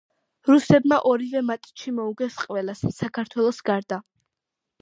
რუსებმა ორივე მატჩი მოუგეს ყველას საქართველოს გარდა.